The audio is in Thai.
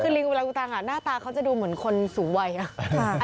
คือลิงเวลากูตังหน้าตาเขาจะดูเหมือนคนสูงวัยนะ